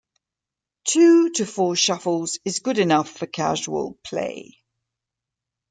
Two to four shuffles is good enough for casual play.